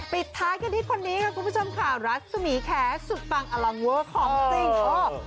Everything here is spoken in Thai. ปิดท้ายกันที่คนนี้ค่ะคุณผู้ชมค่ะรัศมีแคสุดปังอลังเวอร์ของจริงเออ